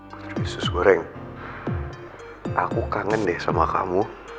seperti sus goreng aku kangen deh sama kamu